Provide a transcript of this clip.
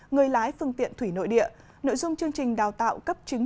người lái phương tiện thủy nội địa nội dung chương trình đào tạo cấp chứng